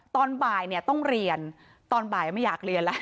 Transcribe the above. ตอนบ่ายเนี่ยต้องเรียนตอนบ่ายไม่อยากเรียนแล้ว